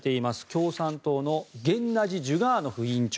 共産党のゲンナジ・ジュガーノフ委員長。